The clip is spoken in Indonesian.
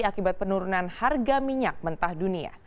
akibat penurunan harga minyak mentah dunia